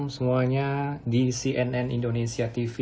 semuanya di cnn indonesia tv